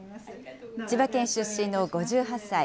千葉県出身の５８歳。